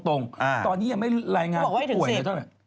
ตอนนี้ยังไม่รายงานผู้ป่วยนะเจ้าเนี่ย